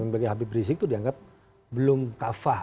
bagi habib rizik itu dianggap belum kafah